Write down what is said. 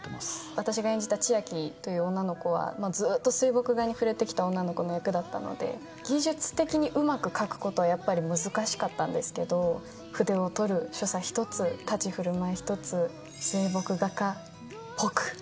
私が演じた千瑛という女の子は、ずっと水墨画に触れてきた女の子の役だったので、技術的にうまく描くことはやっぱり難しかったんですけど、筆を取る所作ひとつ、立ちふるまい一つ、水墨画家っぽく。